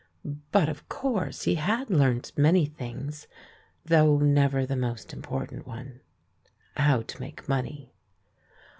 But, of course, he had learnt many things, though never the most important one — how to make money.